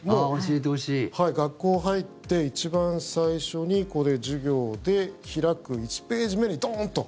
学校入って一番最初に授業で開く１ページ目にドンと！